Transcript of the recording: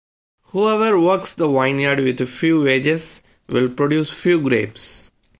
Whoever works the vineyard with few wages, will produce few grapes.